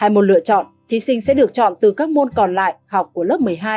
hai môn lựa chọn thí sinh sẽ được chọn từ các môn còn lại học của lớp một mươi hai